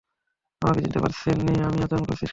আমাকে চিনতে পারিসনি না, এমন আচরণ করছিস কেন?